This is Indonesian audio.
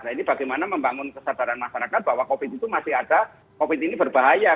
nah ini bagaimana membangun kesadaran masyarakat bahwa covid itu masih ada covid ini berbahaya